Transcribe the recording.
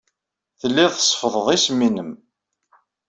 Telliḍ tseffḍeḍ isem-nnem.